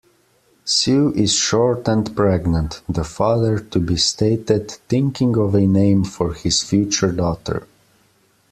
"Sue is short and pregnant", the father-to-be stated, thinking of a name for his future daughter.